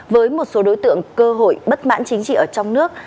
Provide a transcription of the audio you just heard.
với một số đối tượng cơ hội bất mãn chính trị ở trong nước